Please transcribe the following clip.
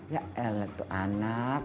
ya elah itu anak